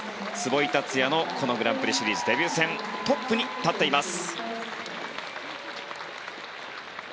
壷井達也のグランプリシリーズデビュー戦トップに立っています。